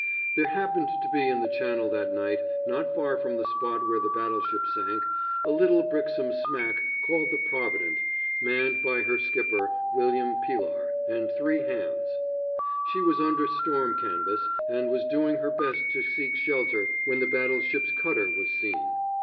There happened to be in the Channel that night, not far from the spot where the battleship sank, a little Brixham smack called the Provident, manned by her skipper, William Pillar, and three hands. She was under storm canvas, and was doing her best to seek shelter when the battleship's cutter was seen.